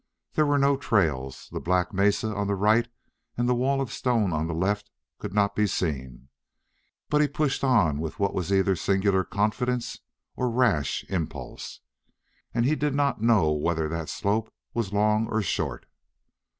There were no trails; the black mesa on the right and the wall of stone on the left could not be seen; but he pushed on with what was either singular confidence or rash impulse. And he did not know whether that slope was long or short.